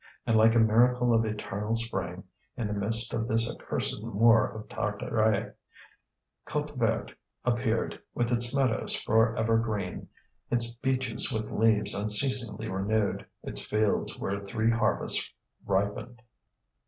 And like a miracle of eternal spring, in the midst of this accursed moor of Tartaret, Côte Verte appeared, with its meadows for ever green, its beeches with leaves unceasingly renewed, its fields where three harvests ripened.